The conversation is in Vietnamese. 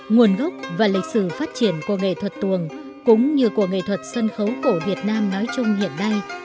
nguồn gốc và lịch sử phát triển của nghệ thuật tuồng cũng như của nghệ thuật sân khấu cổ việt nam nói chung hiện nay